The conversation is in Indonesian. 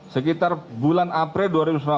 sekitar bulan april dua ribu sembilan belas